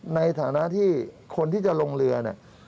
ในฐานะที่คนที่จะลงเรือเนี่ย